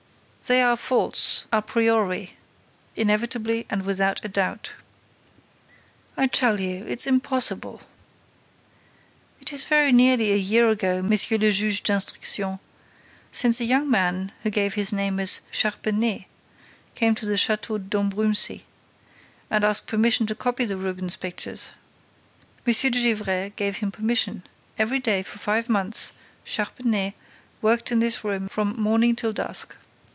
"They are false a priori, inevitably and without a doubt." "I tell you, it's impossible." "It is very nearly a year ago, Monsieur le Juge d'Instruction, since a young man, who gave his name as Charpenais, came to the Château d'Ambrumésy and asked permission to copy the Rubens pictures. M. de Gesvres gave him permission. Every day for five months Charpenais worked in this room from morning till dusk.